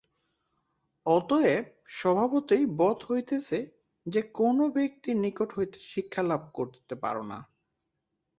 অতএব স্বভাবতই বোধ হইতেছে, যে- কোন ব্যক্তির নিকট হইতে শিক্ষালাভ করিতে পার না।